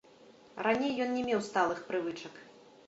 Раней ён не меў сталых прывычак.